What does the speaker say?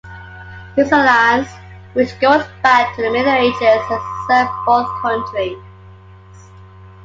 This alliance, which goes back to the Middle Ages, has served both countries.